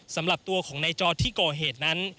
สำหรับตัวของนายจอร์ดที่ก่อเหตุนั้น